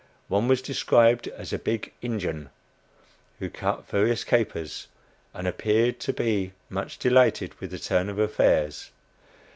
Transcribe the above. One was described as a "big Injun," who cut various capers, and appeared to be much delighted with the turn of affairs.